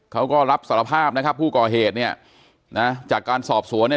เขาก็รับสารภาพนะครับผู้ก่อเหตุเนี่ยนะจากการสอบสวนเนี่ย